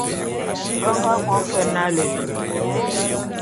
Be nga bo fe nalé.